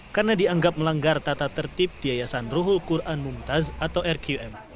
karena dianggap melanggar tata tertib di yayasan ruhul quran mumtaz atau rqm